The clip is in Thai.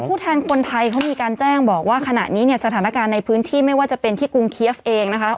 แทนคนไทยเขามีการแจ้งบอกว่าขณะนี้เนี่ยสถานการณ์ในพื้นที่ไม่ว่าจะเป็นที่กรุงเคียฟเองนะคะ